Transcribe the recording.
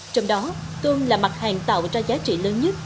trong đó tôm là mặt hàng tạo ra giá trị lớn nhất